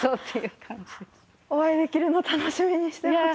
お会いできるのを楽しみにしてました。